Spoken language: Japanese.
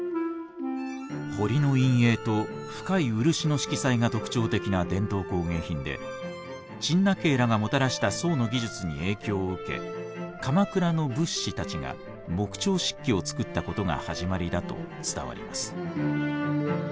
彫りの陰影と深い漆の色彩が特徴的な伝統工芸品で陳和らがもたらした宋の技術に影響を受け鎌倉の仏師たちが木彫漆器を作ったことが始まりだと伝わります。